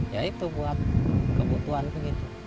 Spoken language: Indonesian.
ya itu buat kebutuhan begitu